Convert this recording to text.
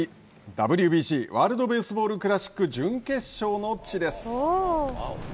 ＷＢＣ＝ワールド・ベースボール・クラシック準決勝の地です。